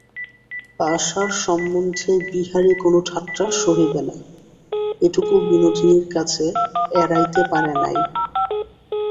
আশার সম্বন্ধে বিহারী কোনো ঠাট্টা সহিবে না, এটুকু বিনোদিনীর কাছে এড়াইতে পারে নাই।